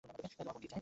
তোমার বোন কি চায়?